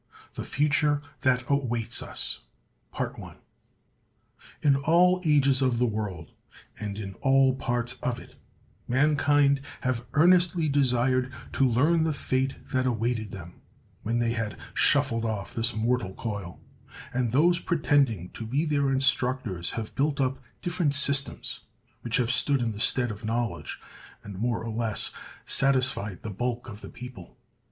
THE FUTURE THAT AWAITS US. IN all ages of the world, and in all parts of it, mankind have earnestly desired to learn the fate that awaited them when they had "shuffled off this mortal coil;" and those pretending to be their instructors have built up different systems which have stood in the stead of knowledge, and more or less satisfied the bulk of the people.